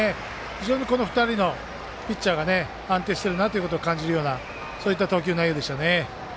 非常に、この２人のピッチャーが安定しているなということを感じるようなそういった投球内容でした。